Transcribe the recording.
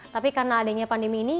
tapi karena adanya pandemi ini